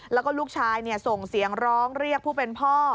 แล้วก็ลูกชายส่งเสียงร้องเรียกผู้เป็นพ่อ